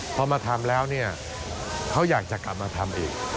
พอมาทำแล้วเนี่ยเขาอยากจะกลับมาทำอีก